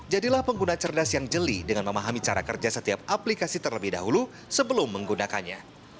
jadilah pengguna cerdas yang jeli dengan memahami cara kerja setiap aplikasi terlebih dahulu sebelum menggunakannya